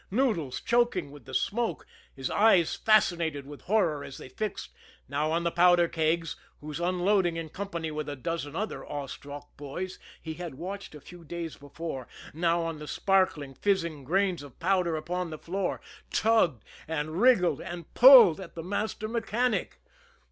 Noodles, choking with the smoke, his eyes fascinated with horror as they fixed, now on the powder kegs whose unloading, in company with a dozen other awe struck boys, he had watched a few days before now on the sparkling, fizzing grains of powder upon the floor, tugged, and wriggled, and pulled at the master mechanic.